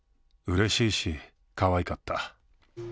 うれしいし、かわいかった。